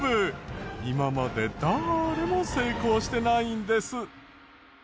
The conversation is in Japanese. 今までだれも成功してないんです。